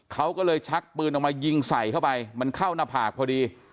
เขาก็เลยชักปืนออกมายิงใส่เข้าไปมันเข้าหน้าผากพอดี